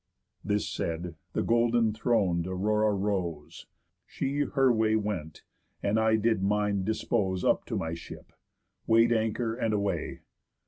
This said, the golden thron'd Aurora rose, She her way went, and I did mine dispose Up to my ship, weigh'd anchor, and away.